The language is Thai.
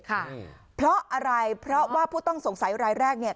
ค่ะเพราะอะไรเพราะว่าผู้ต้องสงสัยรายแรกเนี่ย